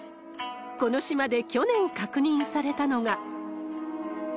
この島で去年確認されたのが。